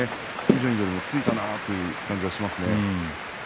以前よりもついたなという感じがします。